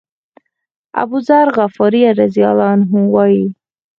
أبوذر غفاري رضی الله عنه وایي.